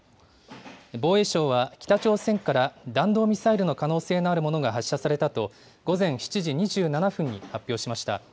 防衛省は北朝鮮から弾道ミサイルの可能性のあるものが発射されたと、午前７時２７分に発表しました。